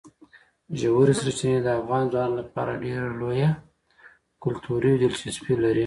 ژورې سرچینې د افغان ځوانانو لپاره ډېره لویه کلتوري دلچسپي لري.